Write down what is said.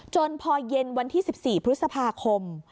พอเย็นวันที่๑๔พฤษภาคม